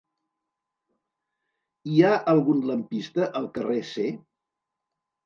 Hi ha algun lampista al carrer C?